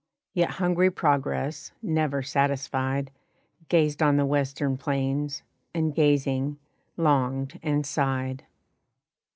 Yet hungry Progress, never satisfied, Gazed on the western plains, and gazing, longed and sighed.